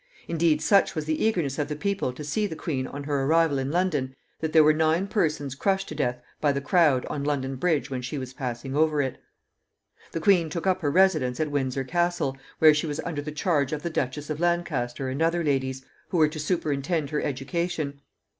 Indeed, such was the eagerness of the people to see the queen on her arrival in London, that there were nine persons crushed to death by the crowd on London Bridge when she was passing over it. The queen took up her residence at Windsor Castle, where she was under the charge of the Duchess of Lancaster and other ladies, who were to superintend her education.